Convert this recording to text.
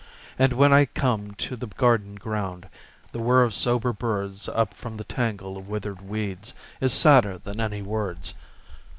And when I come to the garden ground, The whir of sober birds Up from the tangle of withered weeds Is sadder than any words.